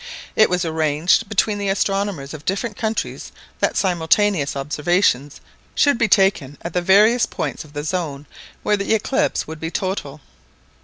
It was arranged between the astronomers of different countries that simultaneous observations should be taken at the various points of the zone where the eclipse would be total.